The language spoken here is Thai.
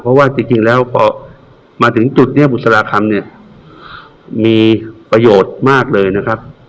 เพราะว่าจริงแล้วพอมาถึงจุดนี้บุษราคำเนี่ยมีประโยชน์มากเลยนะครับ